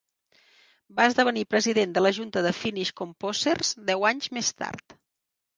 Va esdevenir president de la junta de Finnish Composers deu anys més tard.